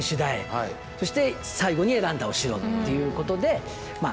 そして最後に選んだお城ということでまあ